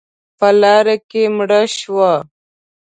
_په لاره کې مړه شوه.